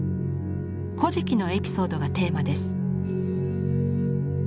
「古事記」のエピソードがテーマです。